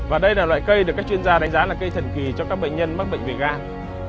và đây là loại cây được các chuyên gia đánh giá là cây thần kỳ cho các bệnh nhân mắc bệnh về gan